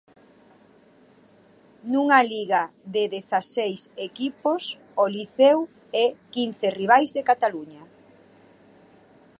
Nunha Liga de dezaseis equipos, o Liceo e quince rivais de Cataluña.